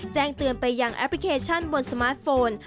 แจ้งเตือนไปยังแอปพลิเคชันบนสมาร์ทโฟน